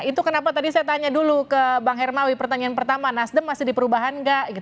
itu kenapa tadi saya tanya dulu ke bang hermawi pertanyaan pertama nasdem masih di perubahan nggak